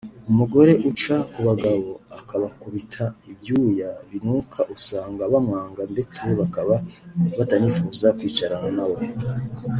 umugore uca ku bagabo akabakubita ibyuya binuka usanga bamwanga ndetse bakaba batanifuza kwicarana na we